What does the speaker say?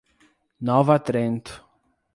Nova Trento